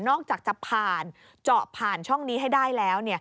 อกจากจะผ่านเจาะผ่านช่องนี้ให้ได้แล้ว